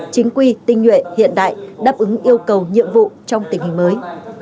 chính quy tinh nhuệ hiện đại đáp ứng yêu cầu nhiệm vụ trong tình hình mới